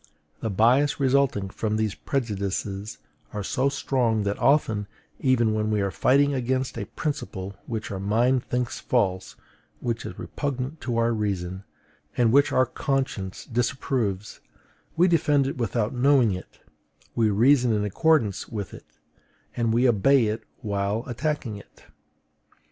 The bias resulting from these prejudices is so strong that often, even when we are fighting against a principle which our mind thinks false, which is repugnant to our reason, and which our conscience disapproves, we defend it without knowing it, we reason in accordance with it, and we obey it while attacking it.